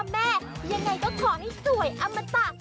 แม่ยังไงก็ขอให้สวยอมตะ